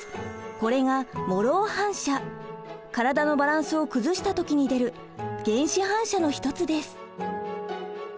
これが体のバランスを崩した時に出る原始反射の一つです。